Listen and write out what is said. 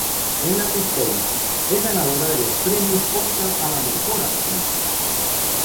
En la que Spacek es ganadora de los Premios Oscar a la mejor actriz.